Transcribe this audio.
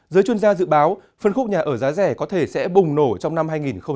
giới chuyên gia dự báo phân khúc nhà ở giá rẻ có thể sẽ bùng nổ trong năm hai nghìn hai mươi